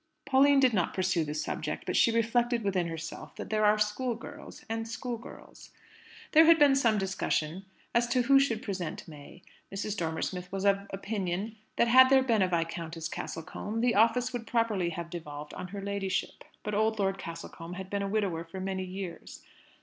Pauline did not pursue the subject, but she reflected within herself that there are schoolgirls and schoolgirls. There had been some discussion as to who should present May. Mrs. Dormer Smith was of opinion that had there been a Viscountess Castlecombe, the office would properly have devolved on her ladyship; but old Lord Castlecombe had been a widower for many years.